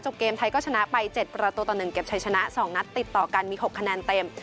เกมไทยก็ชนะไป๗ประตูต่อ๑เก็บชัยชนะ๒นัดติดต่อกันมี๖คะแนนเต็ม